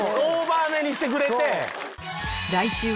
オーバーめにしてくれて。